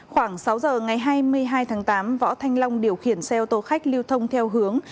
khoảng sáu giờ ngày hai mươi hai tháng tám võ thanh long điều khiển xe ô tô khách lưu thông theo hướng